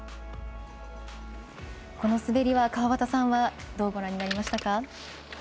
この滑りは川端さんはどうご覧になりましたか？